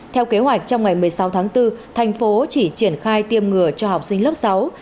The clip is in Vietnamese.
theo kế hoạch trong ngày một mươi sáu tháng bốn thành phố chỉ triển khai tiêm ngừa cho học sinh lớp sáu